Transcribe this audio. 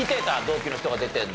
同期の人が出てるの。